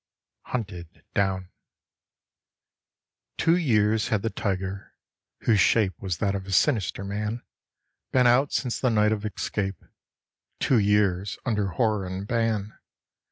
Hunted Down Two years had the tiger, whose shape was that of a sinister man, Been out since the night of escape two years under horror and ban.